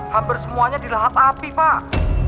hampir semuanya dilahat api pak